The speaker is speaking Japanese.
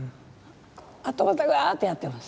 あとまたガーっとやってます。